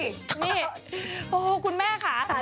นี่คุณแม่ค่ะ